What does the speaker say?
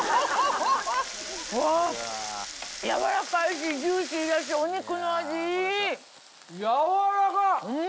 うわやわらかいしジューシーだしお肉の味いい！やわらかっ！